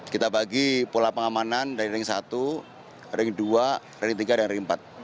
kita bagi pola pengamanan dari ring satu ring dua ring tiga dan ring empat